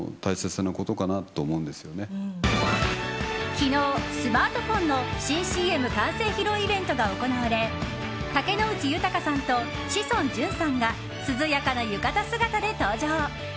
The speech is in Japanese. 昨日、スマートフォンの新ＣＭ完成披露イベントが行われ竹野内豊さんと志尊淳さんが涼やかな浴衣姿で登場。